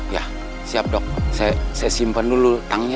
ya siap dok saya simpan dulu tangnya